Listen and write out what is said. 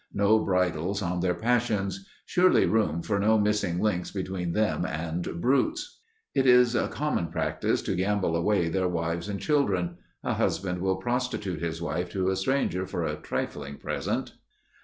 no bridles on their passions ... surely room for no missing links between them and brutes." (Bancroft's Native Races, Vol. 1, p. 440.) "It is common practice ... to gamble away their wives and children.... A husband will prostitute his wife to a stranger for a trifling present."